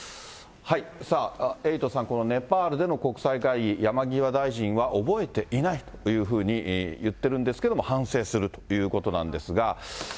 さあ、エイトさん、このネパールでの国際会議、山際大臣は覚えていないというふうに言ってるんですけれども、反省するということなんですが。